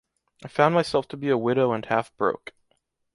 I found myself to be a widow and half broke.